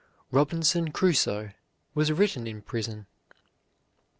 "Robinson Crusoe" was written in prison.